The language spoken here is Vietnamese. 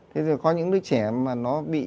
thế thì có những đứa trẻ mà nó bị